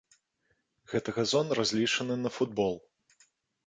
Гэты газон разлічаны на футбол.